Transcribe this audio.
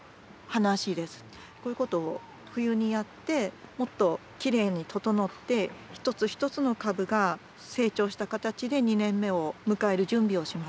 こういうことを冬にやってもっときれいに整って一つ一つの株が成長した形で２年目を迎える準備をします。